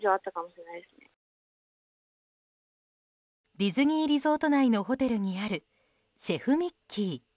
ディズニーリゾート内のホテルにあるシェフ・ミッキー。